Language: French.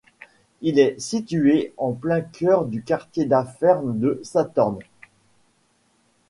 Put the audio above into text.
Il est situé en plein cœur du quartier d'affaires de Sathorn.